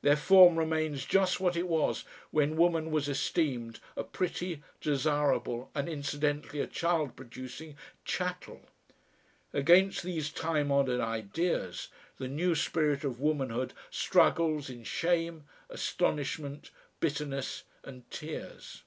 Their form remains just what it was when woman was esteemed a pretty, desirable, and incidentally a child producing, chattel. Against these time honoured ideas the new spirit of womanhood struggles in shame, astonishment, bitterness, and tears....